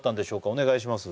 お願いします